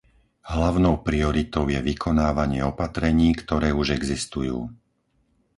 Hlavnou prioritou je vykonávanie opatrení, ktoré už existujú.